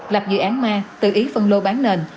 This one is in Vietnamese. lập dự án ma tự ý phân lô bán nền